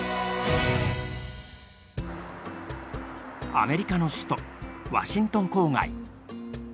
アメリカの首都ワシントン郊外。